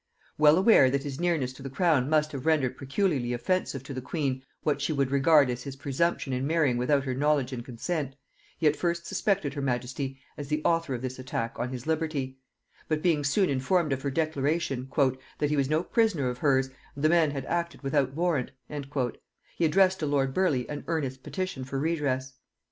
Well aware that his nearness to the crown must have rendered peculiarly offensive to the queen what she would regard as his presumption in marrying without her knowledge and consent, he at first suspected her majesty as the author of this attack on his liberty; but being soon informed of her declaration, "that he was no prisoner of hers, and the man had acted without warrant," he addressed to lord Burleigh an earnest petition for redress.